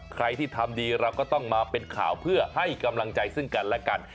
ใครที่ทำดีเราก็ต้องมาเป็นข่าวเพื่อให้กำลังใจซึ่งกันและกัน